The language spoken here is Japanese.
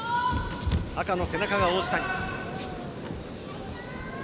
赤の背中が王子谷。